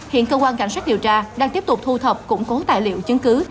hiện cơ quan cảnh sát điều tra đang tiếp tục thu thập củng cố tài liệu chứng cứ